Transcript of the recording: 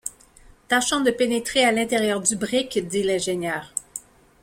Tâchons de pénétrer à l’intérieur du brick, dit l’ingénieur.